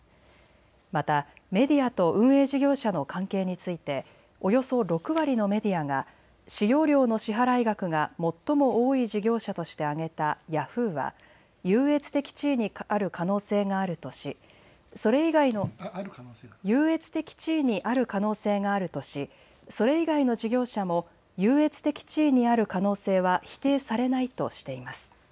またメディアと運営事業者の関係についておよそ６割のメディアが使用料の支払額が最も多い事業者として挙げたヤフーは優越的地位にある可能性があるとし、それ以外の事業者も優越的地位にある可能性は否定されないとしています。